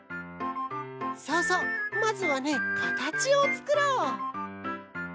そうそうまずはねかたちをつくろう。